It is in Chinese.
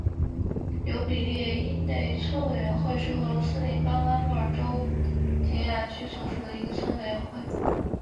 尤比列伊内村委员会是俄罗斯联邦阿穆尔州结雅区所属的一个村委员会。